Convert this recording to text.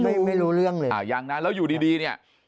ไม่รู้ไม่รู้เรื่องเลยยังนะแล้วอยู่ดีเนี่ย